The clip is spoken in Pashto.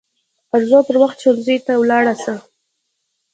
ارزو پر وخت ښوونځي ته ولاړه سه